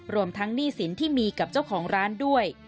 รวมทั้งหนี้สินที่มีกับเจ้าของร้านด้วย